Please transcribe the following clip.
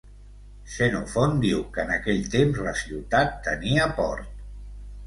Xenofont diu que en aquell temps la ciutat tenia port.